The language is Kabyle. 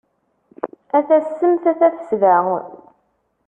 A tassemt a tafesda.